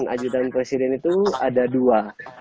ajudan presiden itu ada dua